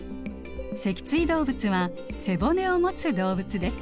脊椎動物は背骨をもつ動物です。